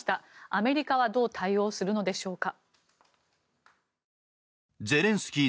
アメリカはどう対応するのでしょうか。